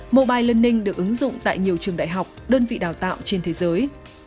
mobile learning được ứng dụng tại nhiều trường đại học đơn vị đào tạo trên thế giới